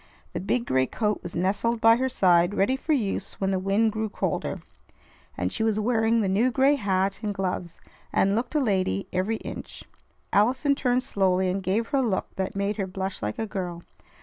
The big gray coat was nestled by her side ready for use when the wind grew colder, and she was wearing the new gray hat and gloves, and looked a lady every inch. Allison turned slowly, and gave her a look that made her blush like a girl.